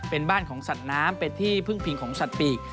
เป็นบ้านของสัตว์น้ำเป็นที่พึ่งพิงของสัตว์ปีก